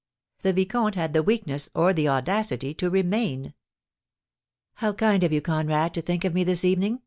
The vicomte had the weakness or the audacity to remain. "How kind of you, Conrad, to think of me this evening!"